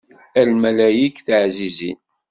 A lmalayek tiɛzizin.